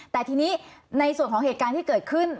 แต่ทีนี้ในส่วนของเหตุการณ์ที่เกิดขึ้น